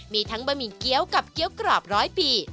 มีทั้งบะหมี่เกี้ยวกับเกี้ยวกรอบร้อยปี